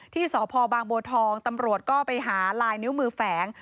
ที่สพบางบัวทองตำรวจก็ไปหาลายนิ้วมือแฝง